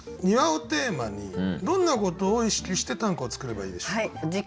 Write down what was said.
「庭」をテーマにどんなことを意識して短歌を作ればいいでしょうか？